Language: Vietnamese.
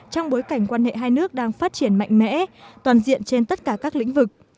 trong bối cảnh quan hệ hai nước đang phát triển mạnh mẽ toàn diện trên tất cả các lĩnh vực